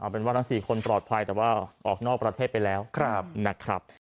เป็นว่าทั้ง๔คนปลอดภัยแต่ว่าออกนอกประเทศไปแล้วนะครับ